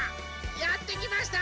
やってきました！